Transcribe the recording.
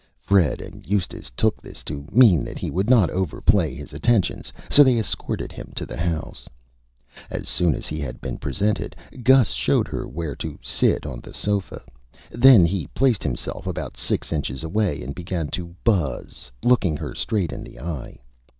Fred and Eustace took this to mean that he would not Overplay his Attentions, so they escorted him to the House. As soon as he had been Presented, Gus showed her where to sit on the Sofa, then he placed himself about Six Inches away and began to Buzz, looking her straight in the Eye.